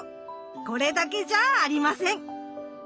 これだけじゃあありません。